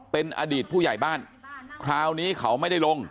เป็นอดีตผู้ใหญ่บ้านคราวนี้เขาไม่ได้ลง